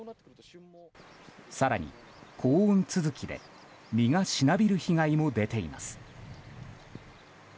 更に、高温続きで実がしなびる被害も出ています。